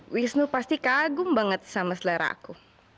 wisnu pasti kagum banget sama selera aku